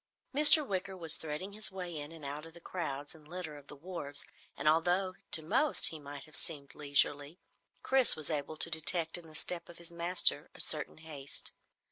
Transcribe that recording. Mr. Wicker was threading his way in and out of the crowds and litter of the wharves, and although to most he might have seemed leisurely, Chris was able to detect in the step of his master a certain haste.